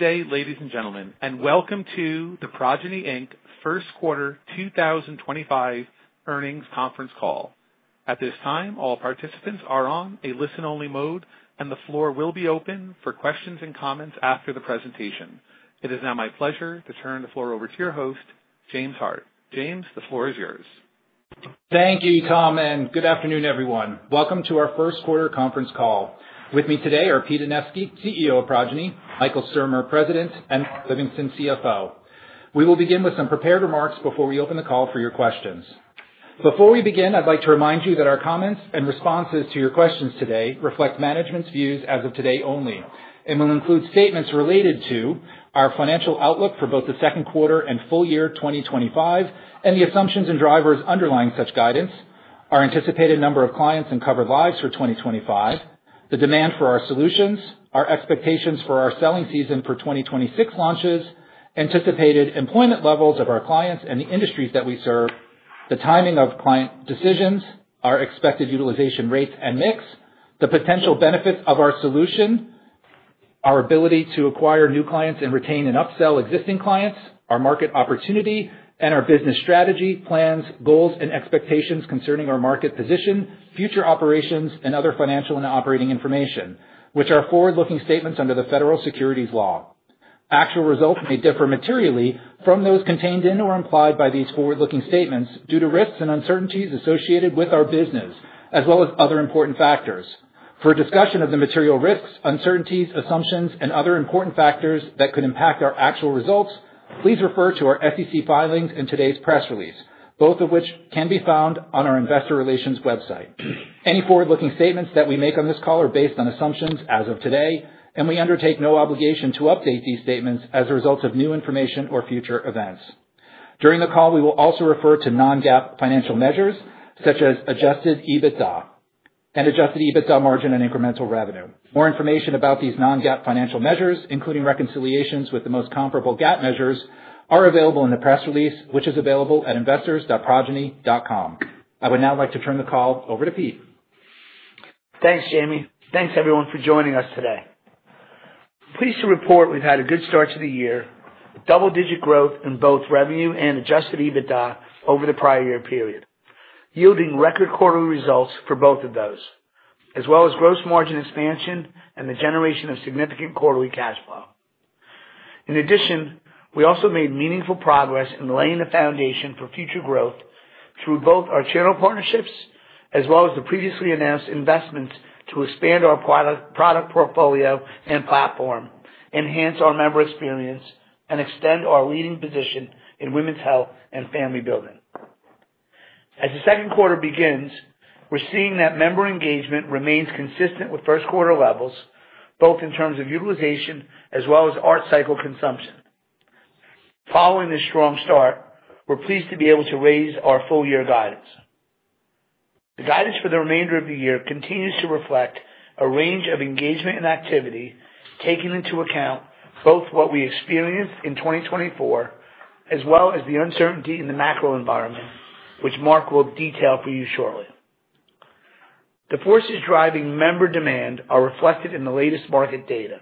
Good day, ladies and gentlemen, and welcome to the Progyny First Quarter 2025 earnings conference call. At this time, all participants are on a listen-only mode, and the floor will be open for questions and comments after the presentation. It is now my pleasure to turn the floor over to your host, James Hart. James, the floor is yours. Thank you, Tom, and good afternoon, everyone. Welcome to our first quarter conference call. With me today are Pete Anevski, CEO of Progyny; Michael Sturmer, President; and Mark Livingston, CFO. We will begin with some prepared remarks before we open the call for your questions. Before we begin, I'd like to remind you that our comments and responses to your questions today reflect management's views as of today only and will include statements related to our financial outlook for both the second quarter and full year 2025, and the assumptions and drivers underlying such guidance, our anticipated number of clients and covered lives for 2025, the demand for our solutions, our expectations for our selling season for 2026 launches, anticipated employment levels of our clients and the industries that we serve, the timing of client decisions, our expected utilization rates and mix, the potential benefits of our solution, our ability to acquire new clients and retain and upsell existing clients, our market opportunity, and our business strategy, plans, goals, and expectations concerning our market position, future operations, and other financial and operating information, which are forward-looking statements under the Federal Securities Law. Actual results may differ materially from those contained in or implied by these forward-looking statements due to risks and uncertainties associated with our business, as well as other important factors. For discussion of the material risks, uncertainties, assumptions, and other important factors that could impact our actual results, please refer to our SEC filings and today's press release, both of which can be found on our investor relations website. Any forward-looking statements that we make on this call are based on assumptions as of today, and we undertake no obligation to update these statements as a result of new information or future events. During the call, we will also refer to non-GAAP financial measures such as adjusted EBITDA and adjusted EBITDA margin and incremental revenue. More information about these non-GAAP financial measures, including reconciliations with the most comparable GAAP measures, are available in the press release, which is available at investors.progyny.com. I would now like to turn the call over to Pete. Thanks, Jamie. Thanks, everyone, for joining us today. Pleased to report we've had a good start to the year, double-digit growth in both revenue and adjusted EBITDA over the prior year period, yielding record quarterly results for both of those, as well as gross margin expansion and the generation of significant quarterly cash flow. In addition, we also made meaningful progress in laying the foundation for future growth through both our channel partnerships, as well as the previously announced investments to expand our product portfolio and platform, enhance our member experience, and extend our leading position in women's health and family building. As the second quarter begins, we're seeing that member engagement remains consistent with first quarter levels, both in terms of utilization as well as ART cycle consumption. Following this strong start, we're pleased to be able to raise our full-year guidance. The guidance for the remainder of the year continues to reflect a range of engagement and activity taking into account both what we experienced in 2024 as well as the uncertainty in the macro environment, which Mark will detail for you shortly. The forces driving member demand are reflected in the latest market data.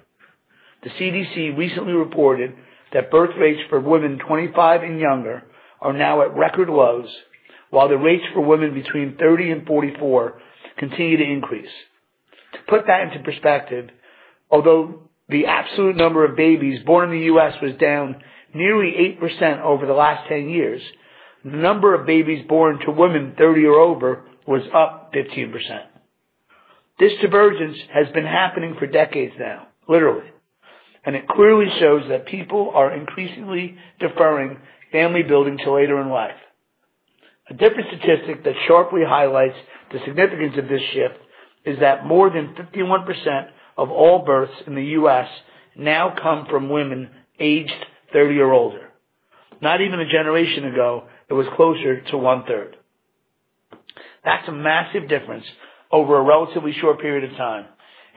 The CDC recently reported that birth rates for women 25 and younger are now at record lows, while the rates for women between 30 and 44 continue to increase. To put that into perspective, although the absolute number of babies born in the U.S. was down nearly 8% over the last 10 years, the number of babies born to women 30 or over was up 15%. This divergence has been happening for decades now, literally, and it clearly shows that people are increasingly deferring family building to later in life. A different statistic that sharply highlights the significance of this shift is that more than 51% of all births in the U.S. now come from women aged 30 or older. Not even a generation ago, it was closer to one-third. That's a massive difference over a relatively short period of time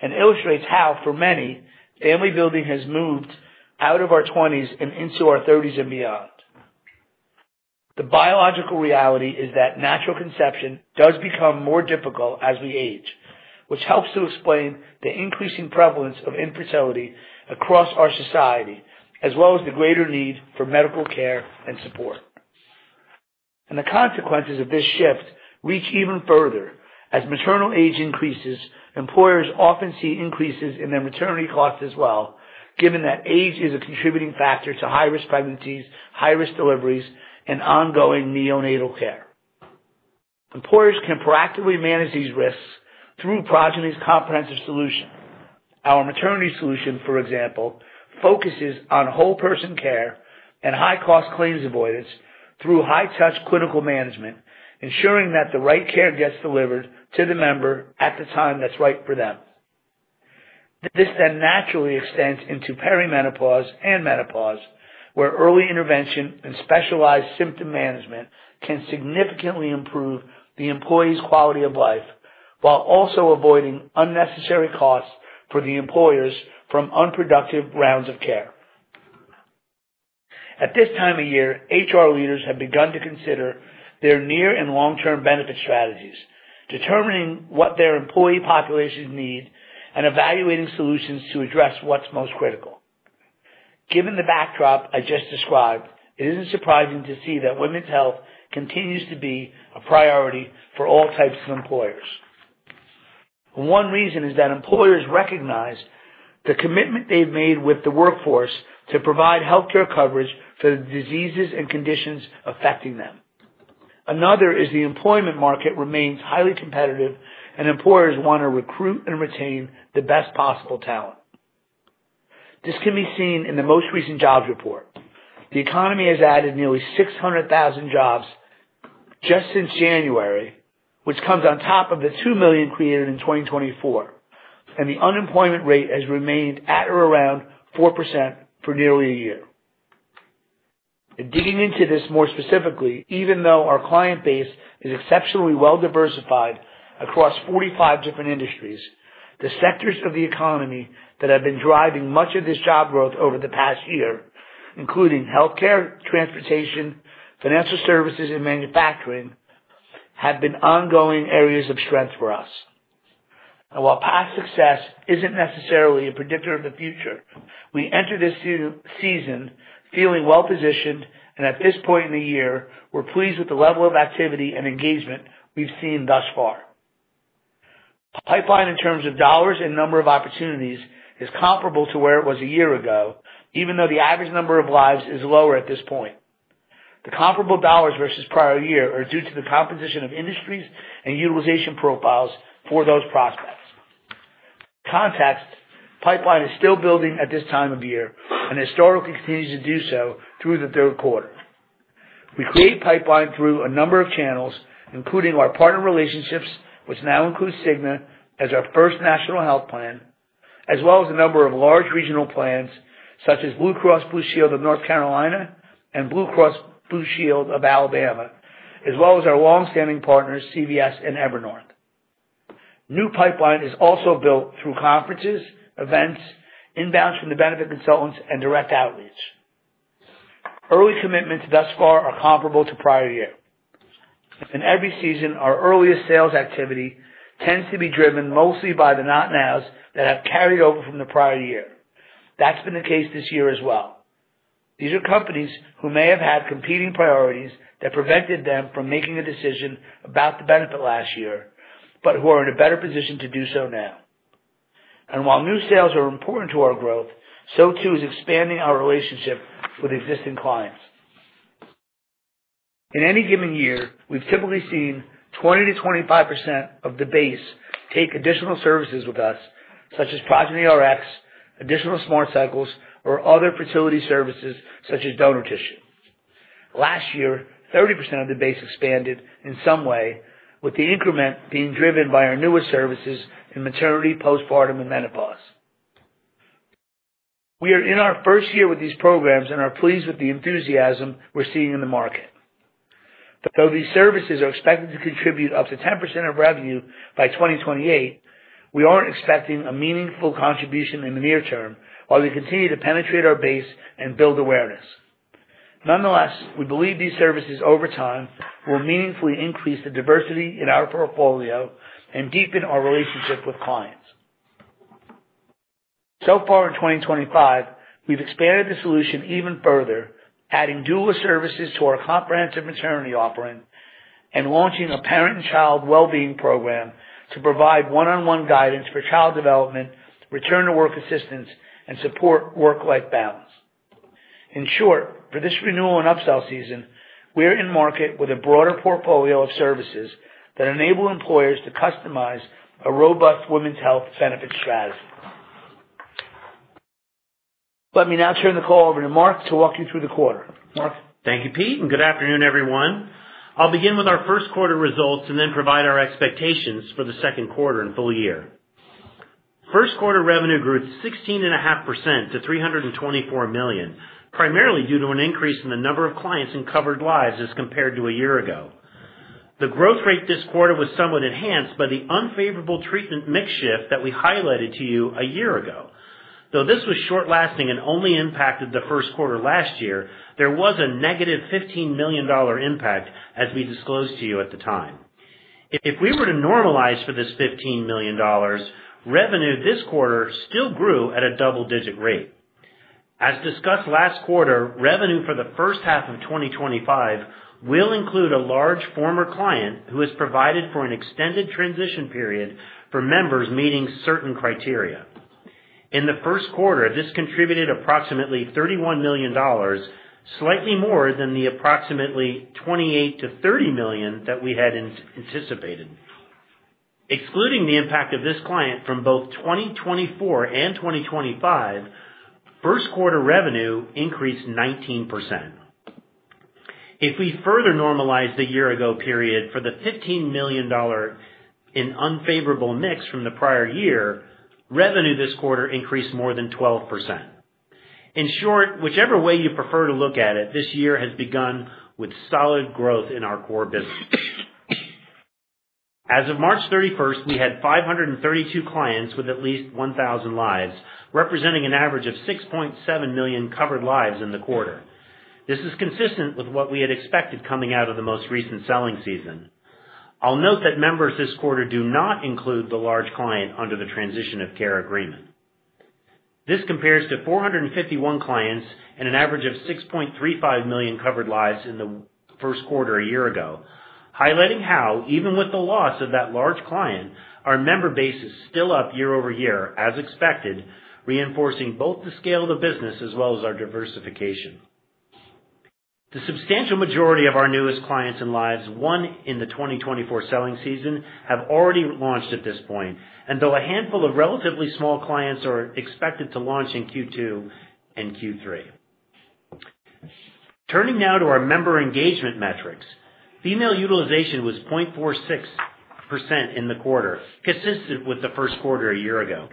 and illustrates how, for many, family building has moved out of our 20s and into our 30s and beyond. The biological reality is that natural conception does become more difficult as we age, which helps to explain the increasing prevalence of infertility across our society, as well as the greater need for medical care and support. The consequences of this shift reach even further. As maternal age increases, employers often see increases in their maternity costs as well, given that age is a contributing factor to high-risk pregnancies, high-risk deliveries, and ongoing neonatal care. Employers can proactively manage these risks through Progyny's comprehensive solution. Our maternity solution, for example, focuses on whole-person care and high-cost claims avoidance through high-touch clinical management, ensuring that the right care gets delivered to the member at the time that's right for them. This then naturally extends into perimenopause and menopause, where early intervention and specialized symptom management can significantly improve the employee's quality of life while also avoiding unnecessary costs for the employers from unproductive rounds of care. At this time of year, HR leaders have begun to consider their near and long-term benefit strategies, determining what their employee population needs and evaluating solutions to address what's most critical. Given the backdrop I just described, it isn't surprising to see that women's health continues to be a priority for all types of employers. One reason is that employers recognize the commitment they've made with the workforce to provide healthcare coverage for the diseases and conditions affecting them. Another is the employment market remains highly competitive, and employers want to recruit and retain the best possible talent. This can be seen in the most recent jobs report. The economy has added nearly 600,000 jobs just since January, which comes on top of the 2 million created in 2024, and the unemployment rate has remained at or around 4% for nearly a year. Digging into this more specifically, even though our client base is exceptionally well-diversified across 45 different industries, the sectors of the economy that have been driving much of this job growth over the past year, including healthcare, transportation, financial services, and manufacturing, have been ongoing areas of strength for us. While past success isn't necessarily a predictor of the future, we enter this season feeling well-positioned, and at this point in the year, we're pleased with the level of activity and engagement we've seen thus far. Pipeline in terms of dollars and number of opportunities is comparable to where it was a year ago, even though the average number of lives is lower at this point. The comparable dollars versus prior year are due to the composition of industries and utilization profiles for those prospects. For context, pipeline is still building at this time of year and historically continues to do so through the third quarter. We create pipeline through a number of channels, including our partner relationships, which now includes Cigna as our first national health plan, as well as a number of large regional plans such as Blue Cross Blue Shield of North Carolina and Blue Cross Blue Shield of Alabama, as well as our longstanding partners, CVS and Evernorth. New pipeline is also built through conferences, events, inbounds from the benefit consultants, and direct outreach. Early commitments thus far are comparable to prior year. In every season, our earliest sales activity tends to be driven mostly by the not-nows that have carried over from the prior year. That's been the case this year as well. These are companies who may have had competing priorities that prevented them from making a decision about the benefit last year, but who are in a better position to do so now. While new sales are important to our growth, so too is expanding our relationship with existing clients. In any given year, we've typically seen 20-25% of the base take additional services with us, such as Progyny Rx, additional Smart Cycles, or other fertility services such as donor tissue. Last year, 30% of the base expanded in some way, with the increment being driven by our newest services in maternity, postpartum, and menopause. We are in our first year with these programs and are pleased with the enthusiasm we're seeing in the market. Though these services are expected to contribute up to 10% of revenue by 2028, we aren't expecting a meaningful contribution in the near term while they continue to penetrate our base and build awareness. Nonetheless, we believe these services over time will meaningfully increase the diversity in our portfolio and deepen our relationship with clients. So far in 2025, we've expanded the solution even further, adding dual services to our comprehensive maternity offering and launching a parent and child well-being program to provide one-on-one guidance for child development, return-to-work assistance, and support work-life balance. In short, for this renewal and upsell season, we're in market with a broader portfolio of services that enable employers to customize a robust women's health benefit strategy. Let me now turn the call over to Mark to walk you through the quarter. Mark. Thank you, Pete, and good afternoon, everyone. I'll begin with our first quarter results and then provide our expectations for the second quarter and full year. First quarter revenue grew 16.5% to $324 million, primarily due to an increase in the number of clients and covered lives as compared to a year ago. The growth rate this quarter was somewhat enhanced by the unfavorable treatment mix shift that we highlighted to you a year ago. Though this was short-lasting and only impacted the first quarter last year, there was a negative $15 million impact as we disclosed to you at the time. If we were to normalize for this $15 million, revenue this quarter still grew at a double-digit rate. As discussed last quarter, revenue for the first half of 2025 will include a large former client who has provided for an extended transition period for members meeting certain criteria. In the first quarter, this contributed approximately $31 million, slightly more than the approximately $28-$30 million that we had anticipated. Excluding the impact of this client from both 2024 and 2025, first quarter revenue increased 19%. If we further normalize the year-ago period for the $15 million in unfavorable mix from the prior year, revenue this quarter increased more than 12%. In short, whichever way you prefer to look at it, this year has begun with solid growth in our core business. As of March 31, we had 532 clients with at least 1,000 lives, representing an average of 6.7 million covered lives in the quarter. This is consistent with what we had expected coming out of the most recent selling season. I'll note that members this quarter do not include the large client under the transition of care agreement. This compares to 451 clients and an average of 6.35 million covered lives in the first quarter a year ago, highlighting how, even with the loss of that large client, our member base is still up year over year, as expected, reinforcing both the scale of the business as well as our diversification. The substantial majority of our newest clients and lives won in the 2024 selling season have already launched at this point, though a handful of relatively small clients are expected to launch in Q2 and Q3. Turning now to our member engagement metrics, female utilization was 0.46% in the quarter, consistent with the first quarter a year ago.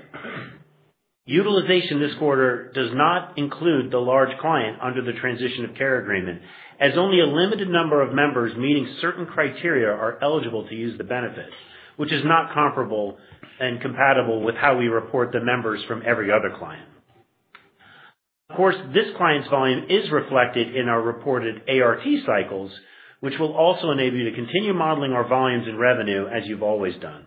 Utilization this quarter does not include the large client under the transition of care agreement, as only a limited number of members meeting certain criteria are eligible to use the benefit, which is not comparable and compatible with how we report the members from every other client. Of course, this client's volume is reflected in our reported ART cycles, which will also enable you to continue modeling our volumes and revenue as you've always done.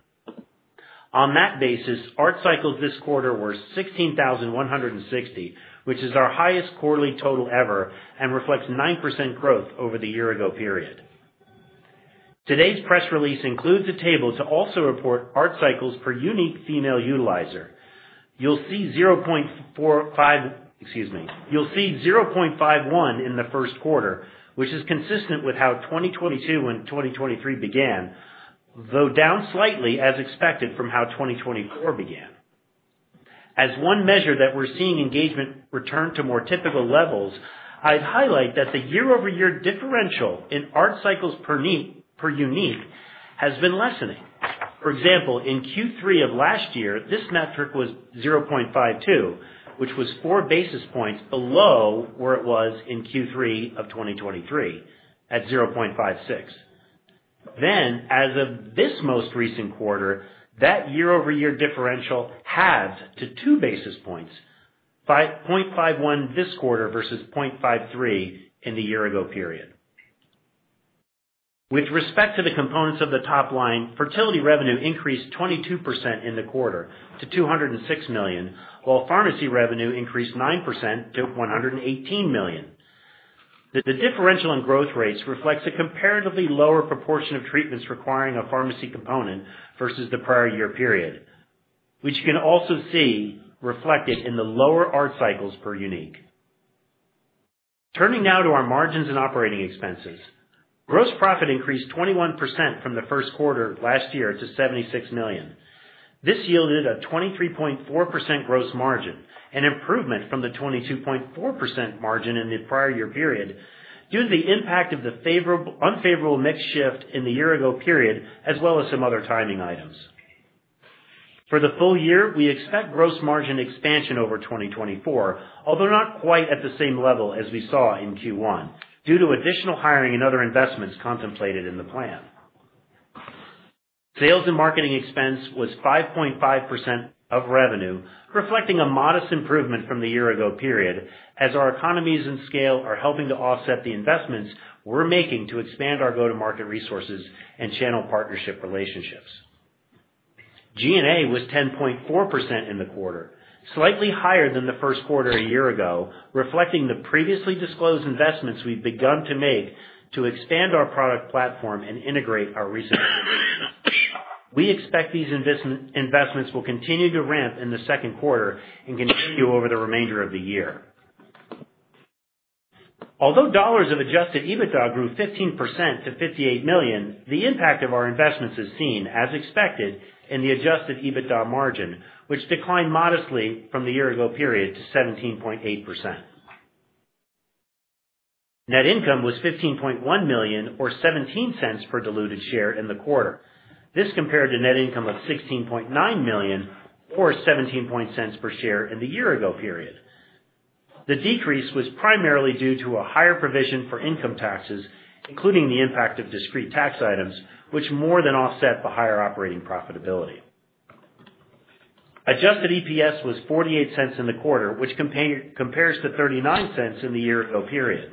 On that basis, ART cycles this quarter were 16,160, which is our highest quarterly total ever and reflects 9% growth over the year-ago period. Today's press release includes a table to also report ART cycles per unique female utilizer. You'll see 0.51 in the first quarter, which is consistent with how 2022 and 2023 began, though down slightly as expected from how 2024 began. As one measure that we're seeing engagement return to more typical levels, I'd highlight that the year-over-year differential in ART cycles per unique has been lessening. For example, in Q3 of last year, this metric was 0.52, which was four basis points below where it was in Q3 of 2023 at 0.56. As of this most recent quarter, that year-over-year differential halved to two basis points, 0.51 this quarter versus 0.53 in the year-ago period. With respect to the components of the top line, fertility revenue increased 22% in the quarter to $206 million, while pharmacy revenue increased 9% to $118 million. The differential in growth rates reflects a comparatively lower proportion of treatments requiring a pharmacy component versus the prior year period, which you can also see reflected in the lower ART cycles per unique. Turning now to our margins and operating expenses, gross profit increased 21% from the first quarter last year to $76 million. This yielded a 23.4% gross margin, an improvement from the 22.4% margin in the prior year period due to the impact of the unfavorable mix shift in the year-ago period, as well as some other timing items. For the full year, we expect gross margin expansion over 2024, although not quite at the same level as we saw in Q1 due to additional hiring and other investments contemplated in the plan. Sales and marketing expense was 5.5% of revenue, reflecting a modest improvement from the year-ago period, as our economies and scale are helping to offset the investments we're making to expand our go-to-market resources and channel partnership relationships. G&A was 10.4% in the quarter, slightly higher than the first quarter a year ago, reflecting the previously disclosed investments we've begun to make to expand our product platform and integrate our recent integration. We expect these investments will continue to ramp in the second quarter and continue over the remainder of the year. Although dollars of adjusted EBITDA grew 15% to $58 million, the impact of our investments is seen, as expected, in the adjusted EBITDA margin, which declined modestly from the year-ago period to 17.8%. Net income was $15.1 million or $0.17 per diluted share in the quarter. This compared to net income of $16.9 million or $0.17 per share in the year-ago period. The decrease was primarily due to a higher provision for income taxes, including the impact of discrete tax items, which more than offset the higher operating profitability. Adjusted EPS was $0.48 in the quarter, which compares to $0.39 in the year-ago period.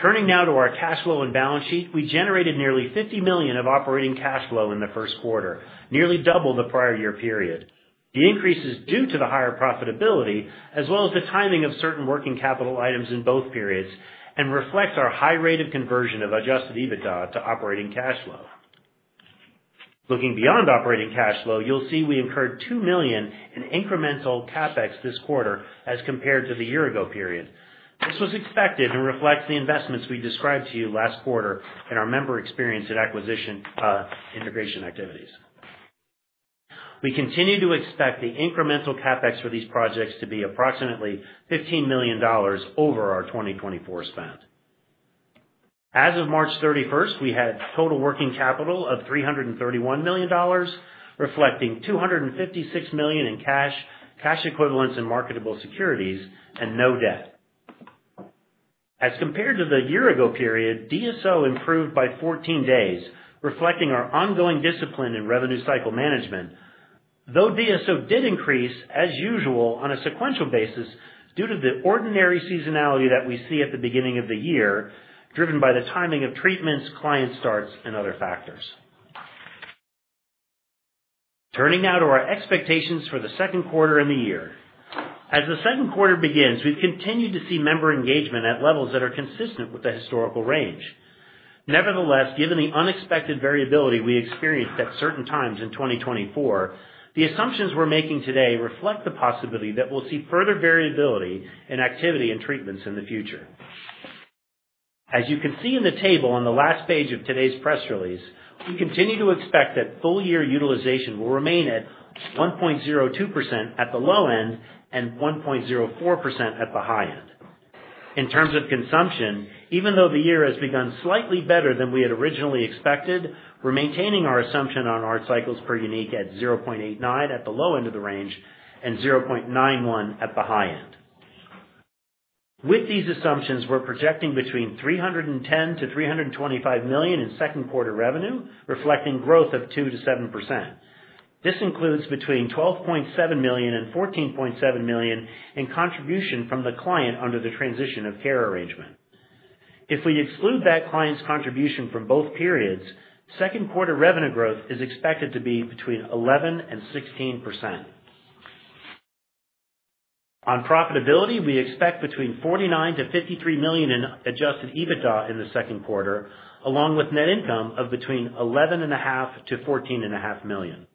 Turning now to our cash flow and balance sheet, we generated nearly $50 million of operating cash flow in the first quarter, nearly double the prior year period. The increase is due to the higher profitability, as well as the timing of certain working capital items in both periods, and reflects our high rate of conversion of adjusted EBITDA to operating cash flow. Looking beyond operating cash flow, you'll see we incurred $2 million in incremental CapEx this quarter as compared to the year-ago period. This was expected and reflects the investments we described to you last quarter in our member experience and acquisition integration activities. We continue to expect the incremental CapEx for these projects to be approximately $15 million over our 2024 spend. As of March 31, we had total working capital of $331 million, reflecting $256 million in cash, cash equivalents, and marketable securities, and no debt. As compared to the year-ago period, DSO improved by 14 days, reflecting our ongoing discipline in revenue cycle management, though DSO did increase, as usual, on a sequential basis due to the ordinary seasonality that we see at the beginning of the year, driven by the timing of treatments, client starts, and other factors. Turning now to our expectations for the second quarter and the year. As the second quarter begins, we've continued to see member engagement at levels that are consistent with the historical range. Nevertheless, given the unexpected variability we experienced at certain times in 2024, the assumptions we're making today reflect the possibility that we'll see further variability in activity and treatments in the future. As you can see in the table on the last page of today's press release, we continue to expect that full year utilization will remain at 1.02% at the low end and 1.04% at the high end. In terms of consumption, even though the year has begun slightly better than we had originally expected, we're maintaining our assumption on ART cycles per unique at 0.89 at the low end of the range and 0.91 at the high end. With these assumptions, we're projecting between $310 million and $325 million in second quarter revenue, reflecting growth of 2%-7%. This includes between $12.7 million and $14.7 million in contribution from the client under the transition of care arrangement. If we exclude that client's contribution from both periods, second quarter revenue growth is expected to be between 11% and 16%. On profitability, we expect between $49 million and $53 million in adjusted EBITDA in the second quarter, along with net income of between $11.5 million and $14.5 million.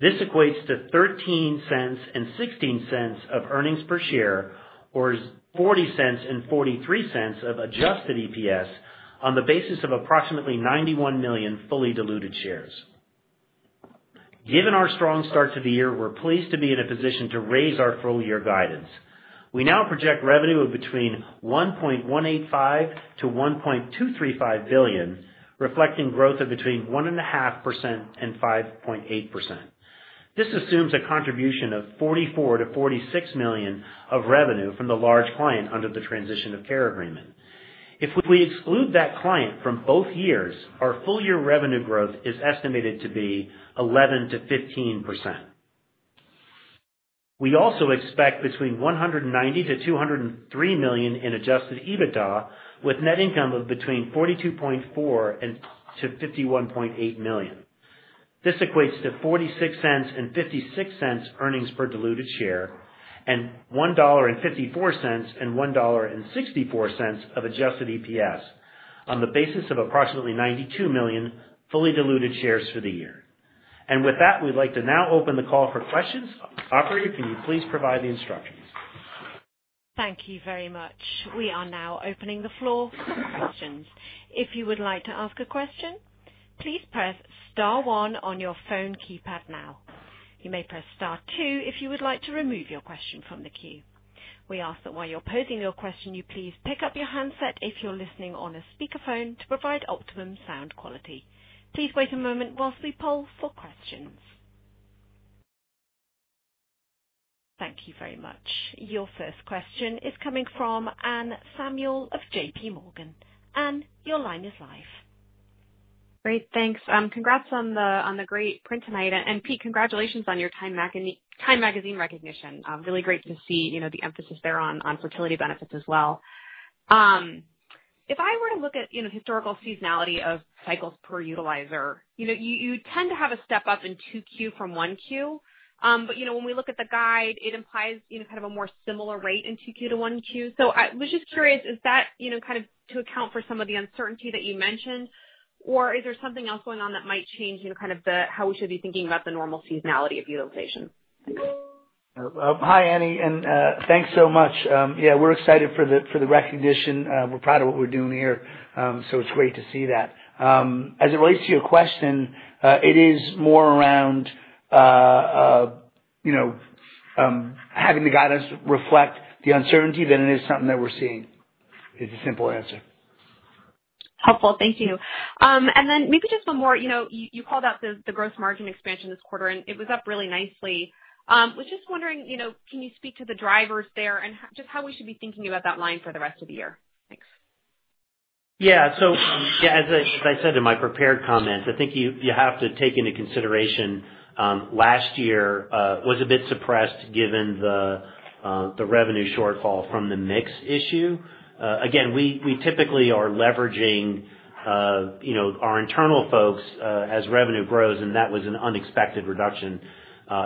This equates to $0.13 and $0.16 of earnings per share, or $0.40 and $0.43 of adjusted EPS on the basis of approximately 91 million fully diluted shares. Given our strong start to the year, we're pleased to be in a position to raise our full year guidance. We now project revenue of between $1.185 billion-$1.235 billion, reflecting growth of between 1.5% and 5.8%. This assumes a contribution of $44 million-$46 million of revenue from the large client under the transition of care agreement. If we exclude that client from both years, our full year revenue growth is estimated to be 11%-15%. We also expect between $190 million-$203 million in adjusted EBITDA, with net income of between $42.4 million-$51.8 million. This equates to $0.46 and $0.56 earnings per diluted share and $1.54 and $1.64 of adjusted EPS on the basis of approximately 92 million fully diluted shares for the year. With that, we'd like to now open the call for questions. Operator, can you please provide the instructions? Thank you very much. We are now opening the floor for questions. If you would like to ask a question, please press Star one on your phone keypad now. You may press Star two if you would like to remove your question from the queue. We ask that while you're posing your question, you please pick up your handset if you're listening on a speakerphone to provide optimum sound quality. Please wait a moment whilst we poll for questions. Thank you very much. Your first question is coming from Anne Samuel of JPMorgan. Anne, your line is live. Great. Thanks. Congrats on the great print tonight. Pete, congratulations on your Time Magazine recognition. Really great to see the emphasis there on fertility benefits as well. If I were to look at historical seasonality of cycles per utilizer, you tend to have a step up in Q2 from Q1. When we look at the guide, it implies kind of a more similar rate in Q2 to Q1. I was just curious, is that kind of to account for some of the uncertainty that you mentioned, or is there something else going on that might change kind of how we should be thinking about the normal seasonality of utilization? Hi, Annie, and thanks so much. Yeah, we're excited for the recognition. We're proud of what we're doing here, so it's great to see that. As it relates to your question, it is more around having the guidance reflect the uncertainty than it is something that we're seeing. It's a simple answer. Helpful. Thank you. Maybe just one more. You called out the gross margin expansion this quarter, and it was up really nicely. I was just wondering, can you speak to the drivers there and just how we should be thinking about that line for the rest of the year? Thanks. Yeah. So yeah, as I said in my prepared comments, I think you have to take into consideration last year was a bit suppressed given the revenue shortfall from the mix issue. Again, we typically are leveraging our internal folks as revenue grows, and that was an unexpected reduction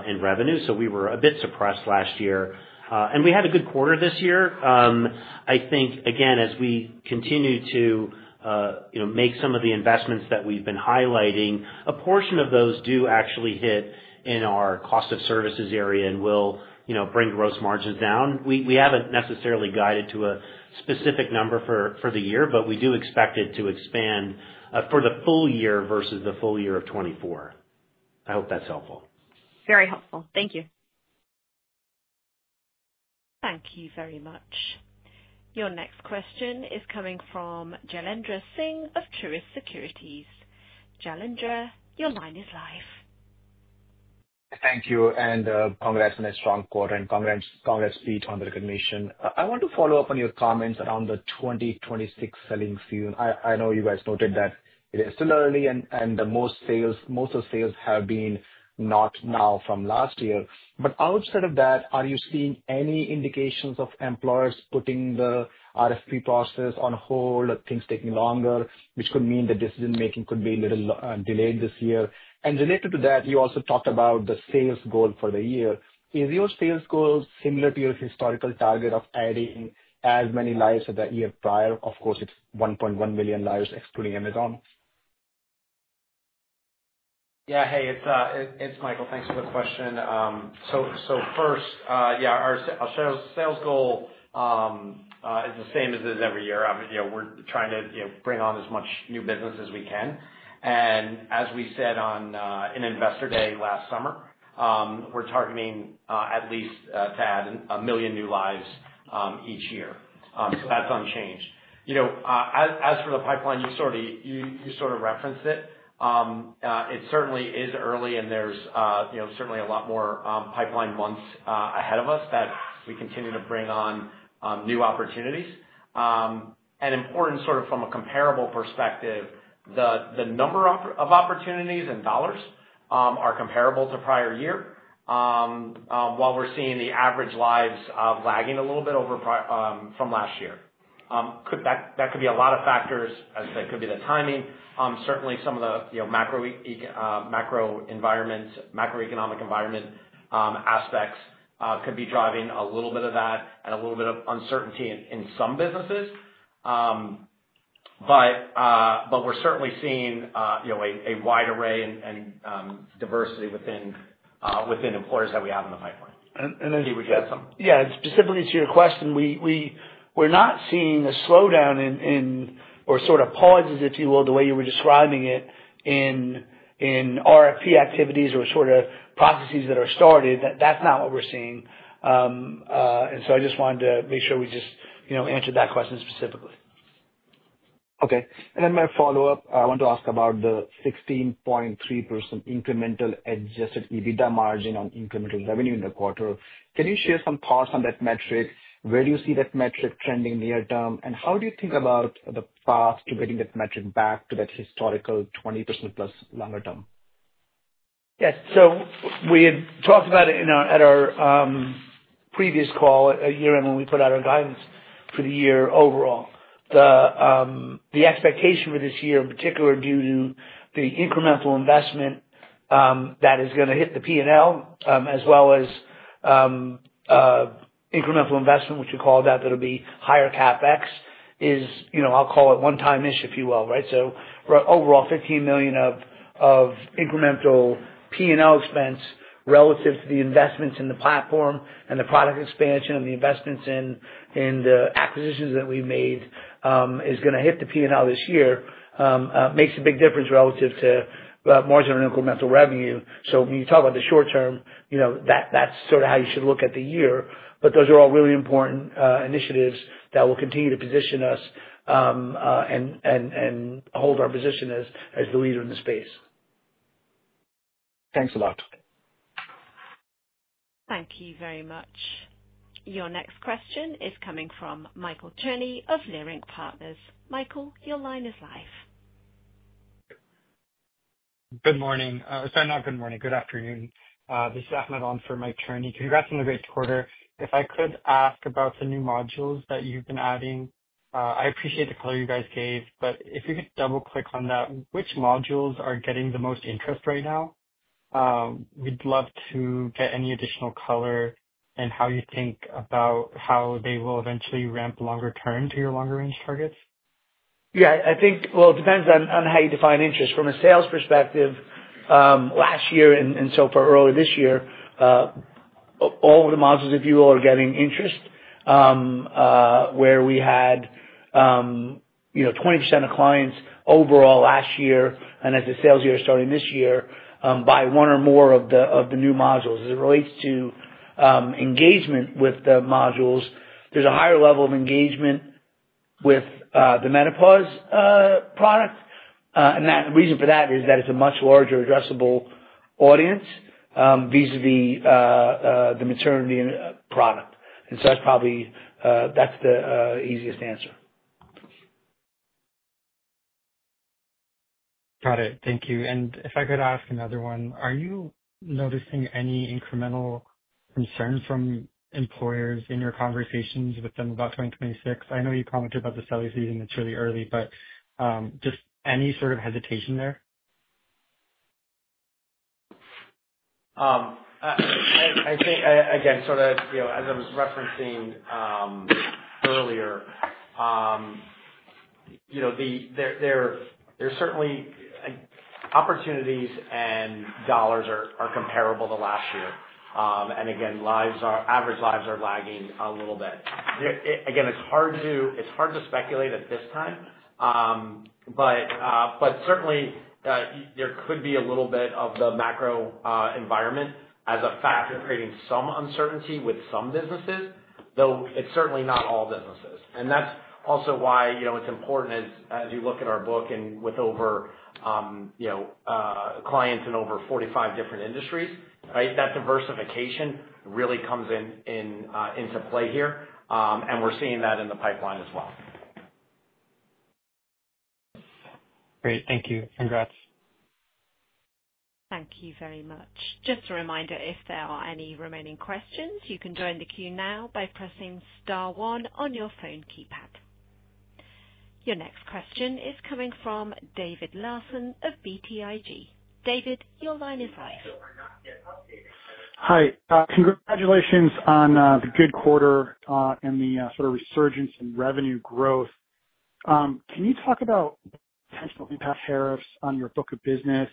in revenue. We were a bit suppressed last year. We had a good quarter this year. I think, again, as we continue to make some of the investments that we've been highlighting, a portion of those do actually hit in our cost of services area and will bring gross margins down. We have not necessarily guided to a specific number for the year, but we do expect it to expand for the full year versus the full year of 2024. I hope that's helpful. Very helpful. Thank you. Thank you very much. Your next question is coming from Jailendra Singh of Truist Securities. Jalendra, your line is live. Thank you. And congrats on a strong quarter and congrats, Pete, on the recognition. I want to follow up on your comments around the 2026 selling season. I know you guys noted that it is still early and most of sales have been not now from last year. But outside of that, are you seeing any indications of employers putting the RFP process on hold, things taking longer, which could mean that decision-making could be a little delayed this year? And related to that, you also talked about the sales goal for the year. Is your sales goal similar to your historical target of adding as many lives as the year prior? Of course, it's 1.1 million lives excluding Amazon. Yeah. Hey, it's Michael. Thanks for the question. First, yeah, our sales goal is the same as it is every year. We're trying to bring on as much new business as we can. As we said on Investor Day last summer, we're targeting at least to add a million new lives each year. That's unchanged. As for the pipeline, you sort of referenced it. It certainly is early, and there's certainly a lot more pipeline months ahead of us that we continue to bring on new opportunities. Important, sort of from a comparable perspective, the number of opportunities and dollars are comparable to prior year, while we're seeing the average lives lagging a little bit from last year. That could be a lot of factors, as there could be the timing. Certainly, some of the macroeconomic environment aspects could be driving a little bit of that and a little bit of uncertainty in some businesses. We're certainly seeing a wide array and diversity within employers that we have in the pipeline. And. Would you add something? Yeah. Specifically to your question, we're not seeing a slowdown or sort of pauses, if you will, the way you were describing it in RFP activities or sort of processes that are started. That's not what we're seeing. I just wanted to make sure we just answered that question specifically. Okay. My follow-up, I want to ask about the 16.3% incremental adjusted EBITDA margin on incremental revenue in the quarter. Can you share some thoughts on that metric? Where do you see that metric trending near-term? How do you think about the path to getting that metric back to that historical 20% plus longer term? Yes. We had talked about it at our previous call a year ago when we put out our guidance for the year overall. The expectation for this year, in particular, due to the incremental investment that is going to hit the P&L, as well as incremental investment, what you call that, that'll be higher CapEx, is I'll call it one-time-ish, if you will, right? Overall, $15 million of incremental P&L expense relative to the investments in the platform and the product expansion and the investments in the acquisitions that we've made is going to hit the P&L this year, makes a big difference relative to margin and incremental revenue. When you talk about the short term, that's sort of how you should look at the year. Those are all really important initiatives that will continue to position us and hold our position as the leader in the space. Thanks a lot. Thank you very much. Your next question is coming from Michael Turney of Learning Partners. Michael, your line is live. Good morning. Sorry, not good morning. Good afternoon. This is Ahmed on for Mike Turney. Congrats on the great quarter. If I could ask about the new modules that you've been adding, I appreciate the color you guys gave, but if you could double-click on that, which modules are getting the most interest right now? We'd love to get any additional color and how you think about how they will eventually ramp longer term to your longer-range targets. Yeah. It depends on how you define interest. From a sales perspective, last year and so far early this year, all of the modules, if you will, are getting interest, where we had 20% of clients overall last year, and as the sales year is starting this year, buy one or more of the new modules. As it relates to engagement with the modules, there's a higher level of engagement with the menopause product. The reason for that is that it's a much larger addressable audience vis-à-vis the maternity product. That's probably the easiest answer. Got it. Thank you. If I could ask another one, are you noticing any incremental concerns from employers in your conversations with them about 2026? I know you commented about the selling season. It's really early, but just any sort of hesitation there? I think, again, sort of as I was referencing earlier, there are certainly opportunities and dollars are comparable to last year. Again, average lives are lagging a little bit. Again, it's hard to speculate at this time, but certainly, there could be a little bit of the macro environment as a factor creating some uncertainty with some businesses, though it's certainly not all businesses. That's also why it's important, as you look at our book and with clients in over 45 different industries, right? That diversification really comes into play here, and we're seeing that in the pipeline as well. Great. Thank you. Congrats. Thank you very much. Just a reminder, if there are any remaining questions, you can join the queue now by pressing Star 1 on your phone keypad. Your next question is coming from David Larsen of BTIG. David, your line is live. Hi. Congratulations on the good quarter and the sort of resurgence in revenue growth. Can you talk about potential impact tariffs on your book of business?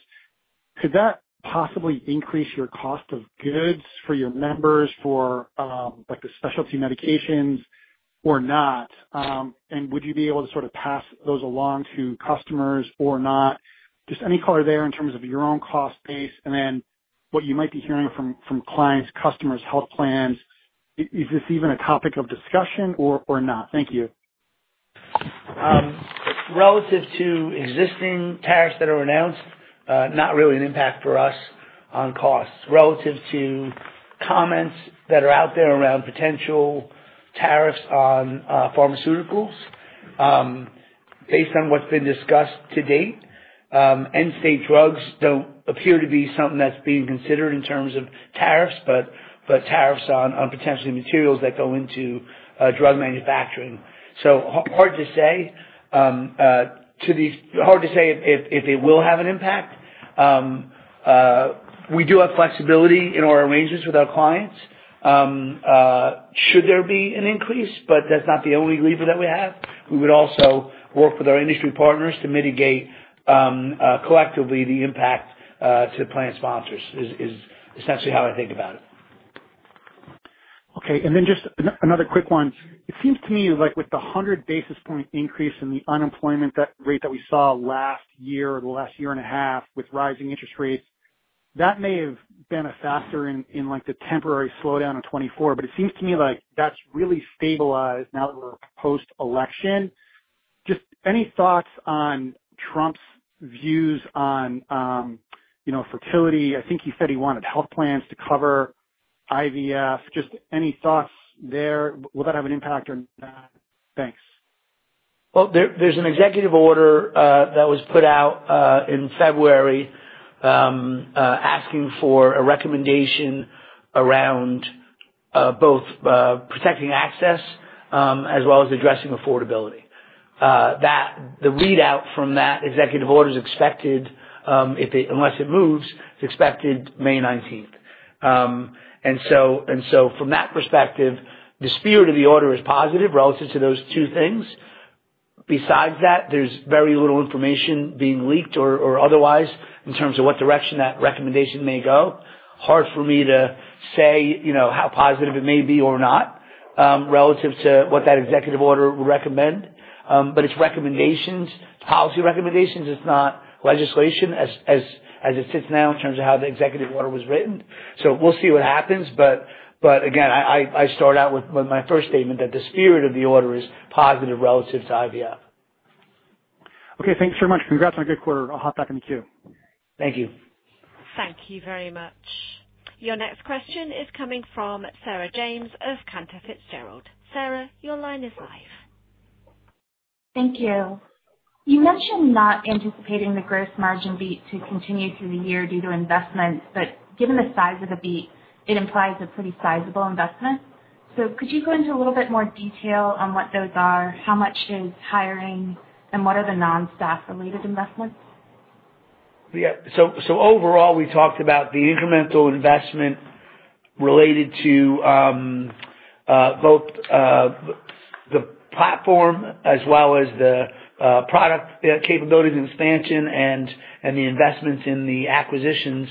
Could that possibly increase your cost of goods for your members, for the specialty medications, or not? Would you be able to sort of pass those along to customers or not? Just any color there in terms of your own cost base? What you might be hearing from clients, customers, health plans, is this even a topic of discussion or not? Thank you. Relative to existing tariffs that are announced, not really an impact for us on costs. Relative to comments that are out there around potential tariffs on pharmaceuticals, based on what's been discussed to date, NSAID drugs don't appear to be something that's being considered in terms of tariffs, but tariffs on potentially materials that go into drug manufacturing. Hard to say. Hard to say if it will have an impact. We do have flexibility in our arrangements with our clients. Should there be an increase, but that's not the only lever that we have. We would also work with our industry partners to mitigate collectively the impact to plan sponsors is essentially how I think about it. Okay. And then just another quick one. It seems to me like with the 100 basis point increase in the unemployment rate that we saw last year or the last year and a half with rising interest rates, that may have been a factor in the temporary slowdown in 2024, but it seems to me like that's really stabilized now that we're post-election. Just any thoughts on Trump's views on fertility? I think he said he wanted health plans to cover IVF. Just any thoughts there? Will that have an impact or not? Thanks. There is an executive order that was put out in February asking for a recommendation around both protecting access as well as addressing affordability. The readout from that executive order is expected, unless it moves, it's expected May 19. From that perspective, the spirit of the order is positive relative to those two things. Besides that, there is very little information being leaked or otherwise in terms of what direction that recommendation may go. Hard for me to say how positive it may be or not relative to what that executive order would recommend. It is recommendations, policy recommendations. It is not legislation as it sits now in terms of how the executive order was written. We will see what happens. Again, I start out with my first statement that the spirit of the order is positive relative to IVF. Okay. Thanks very much. Congrats on a good quarter. I'll hop back in the queue. Thank you. Thank you very much. Your next question is coming from Sarah James of Cantor Fitzgerald. Sarah, your line is live. Thank you. You mentioned not anticipating the gross margin beat to continue through the year due to investments, but given the size of the beat, it implies a pretty sizable investment. Could you go into a little bit more detail on what those are, how much is hiring, and what are the non-staff-related investments? Yeah. Overall, we talked about the incremental investment related to both the platform as well as the product capabilities and expansion and the investments in the acquisitions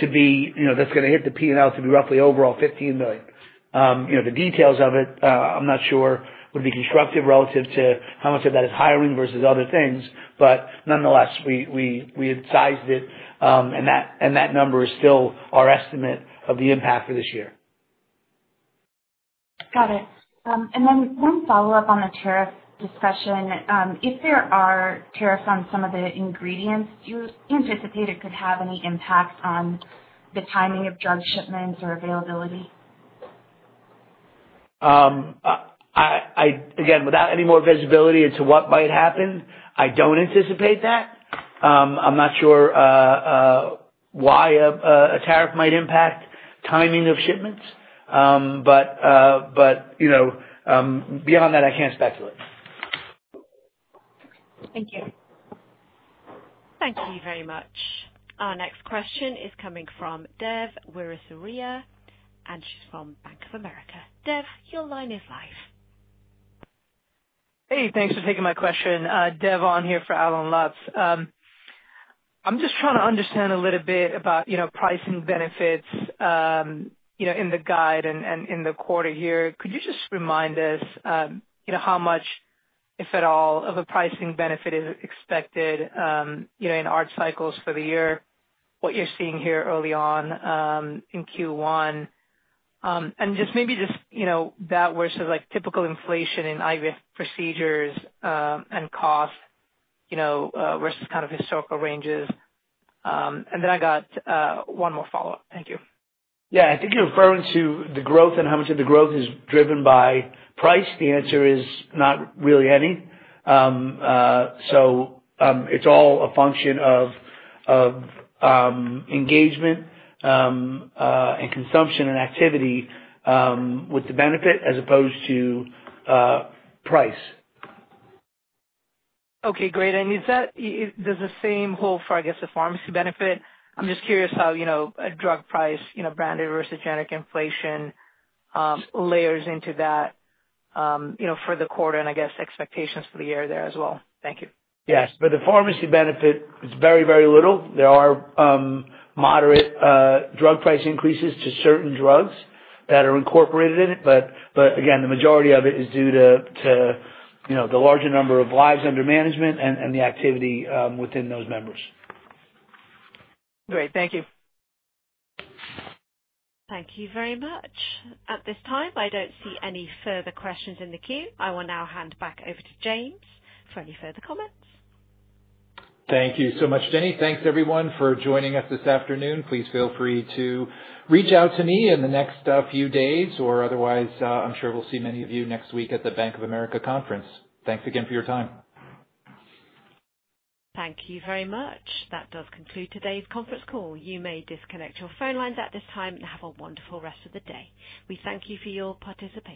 to be that's going to hit the P&L to be roughly overall $15 million. The details of it, I'm not sure, would be constructive relative to how much of that is hiring versus other things. Nonetheless, we had sized it, and that number is still our estimate of the impact for this year. Got it. One follow-up on the tariff discussion. If there are tariffs on some of the ingredients, do you anticipate it could have any impact on the timing of drug shipments or availability? Again, without any more visibility into what might happen, I don't anticipate that. I'm not sure why a tariff might impact timing of shipments, but beyond that, I can't speculate. Thank you. Thank you very much. Our next question is coming from Dev Wirisuria, and she's from Bank of America. Dev, your line is live. Hey, thanks for taking my question. Dev on here for Alan Lutz. I'm just trying to understand a little bit about pricing benefits in the guide and in the quarter here. Could you just remind us how much, if at all, of a pricing benefit is expected in ART cycles for the year, what you're seeing here early on in Q1? And just maybe just that versus typical inflation in IVF procedures and cost versus kind of historical ranges. I got one more follow-up. Thank you. Yeah. I think you're referring to the growth and how much of the growth is driven by price. The answer is not really any. It is all a function of engagement and consumption and activity with the benefit as opposed to price. Okay. Great. Does the same hold for, I guess, the pharmacy benefit? I'm just curious how a drug price branded versus generic inflation layers into that for the quarter and, I guess, expectations for the year there as well. Thank you. Yes. For the pharmacy benefit, it's very, very little. There are moderate drug price increases to certain drugs that are incorporated in it. Again, the majority of it is due to the larger number of lives under management and the activity within those members. Great. Thank you. Thank you very much. At this time, I do not see any further questions in the queue. I will now hand back over to James for any further comments. Thank you so much, Jenny. Thanks, everyone, for joining us this afternoon. Please feel free to reach out to me in the next few days, or otherwise, I'm sure we'll see many of you next week at the Bank of America Conference. Thanks again for your time. Thank you very much. That does conclude today's conference call. You may disconnect your phone lines at this time and have a wonderful rest of the day. We thank you for your participation.